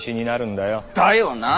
だよなあ。